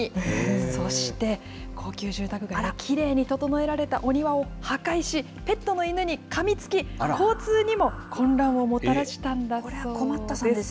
そして、高級住宅街のきれいに整えられたお庭を破壊し、ペットの犬にかみつき、交通にも混乱をもたらしたんだそうです。